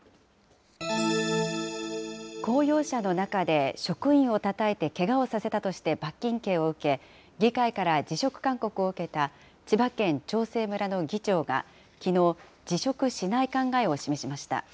公用車の中で職員をたたいてけがをさせたとして罰金刑を受け、議会から辞職勧告を受けた、千葉県長生村の議長がきのう、辞職しない考えを示しました。